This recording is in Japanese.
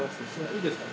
いいですか？